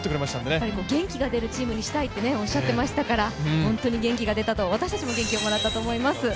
やっぱり元気が出るチームにしたいとおっしゃっていますから、私たちも元気をもらったと思います。